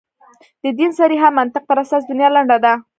د دین صریح منطق پر اساس دنیا لنډه ده.